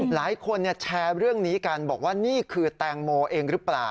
หลายคนแชร์เรื่องนี้กันบอกว่านี่คือแตงโมเองหรือเปล่า